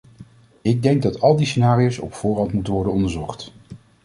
Ik denk dat al die scenario's op voorhand moeten worden onderzocht.